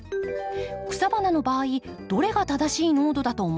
草花の場合どれが正しい濃度だと思いますか？